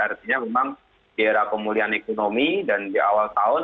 artinya memang di era pemulihan ekonomi dan di awal tahun